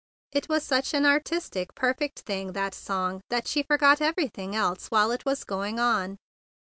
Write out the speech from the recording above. It was such an artis¬ tic, perfect thing, that song, that she forgot everything else while it was going on.